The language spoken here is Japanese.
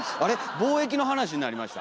貿易の話になりました？